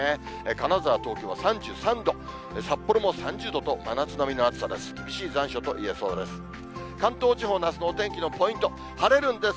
金沢、東京は３３度、札幌も３０度と、真夏並みの暑さです。